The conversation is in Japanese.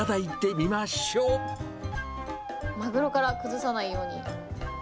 マグロから崩さないように。